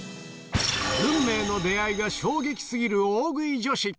運命の出会いが衝撃すぎる大食い女子！